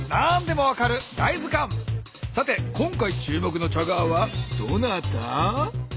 さて今回注目のチャガーはどなた？